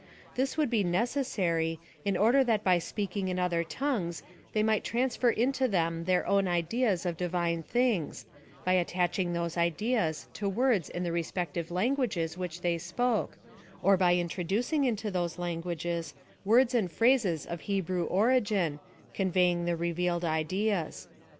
This would be necessary, in order that by speaking in other tongues they might transfer into tliem their own ideas of Divine things, by attaching those ideas to v/ords in the respective languages which they spoke, or by introducing into those languages words and phrases of Hebrew origin, conveying the re vealed ideas.